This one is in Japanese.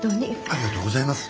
ありがとうございます。